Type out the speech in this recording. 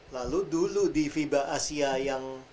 lalu dulu di fiba asia yang